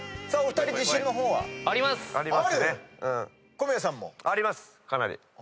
小宮さんも？